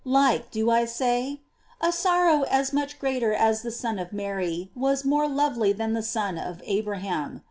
Like, do I say ? A sorrow as much greater as the Son of Mary was more lovely than the son of Abraham.